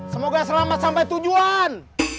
semoga selamat sampai tujuan